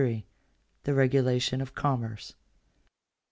THE REGULATION OF COMMERCE.